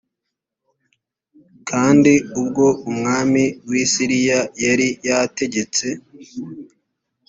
kandi ubwo umwami w i siriya yari yategetse